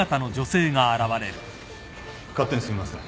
勝手にすいません。